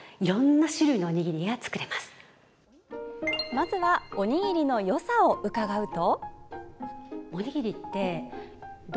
まずはおにぎりのよさを伺うと。